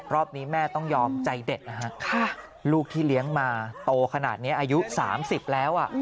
รอบนี้แม่ต้องยอมใจเด็ดนะฮะลูกที่เลี้ยงมาโตขนาดนี้อายุ๓๐แล้ว